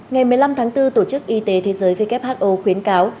ngày một mươi năm tháng bốn tổ chức y tế thế giới who khuyến cáo